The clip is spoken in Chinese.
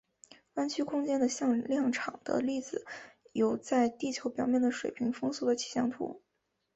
弯曲空间的向量场的例子有在地球表面的水平风速的气象图。